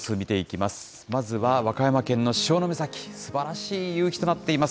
まずは和歌山県の潮岬、すばらしい夕日となっています。